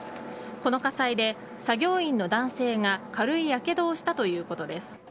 この火災で作業員の男性が軽いやけどをしたということです。